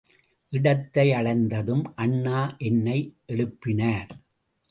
இடத்தை அடைந்ததும் அண்ணா என்னை எழுப்பினார்.